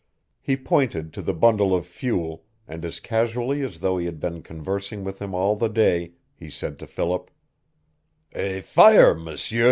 He pointed to the bundle of fuel, and as casually as though he had been conversing with him all the day he said to Philip: "A fire, m'sieu."